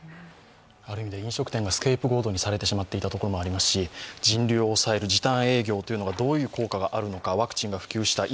ある意味で飲食店がスケープゴートにされていた点もありますし人流を抑える、時短営業はどう影響したのか、ワクチンが普及した今。